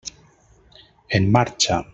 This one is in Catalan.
En marxa!